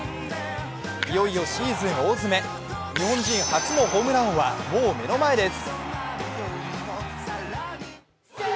いよいよシーズン大詰め、日本人初のホームラン王はもう目の前です。